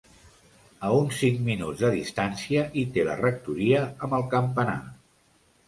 A uns cinc minuts de distància hi té la rectoria amb el campanar.